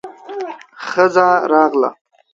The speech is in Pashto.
ښځه راغله.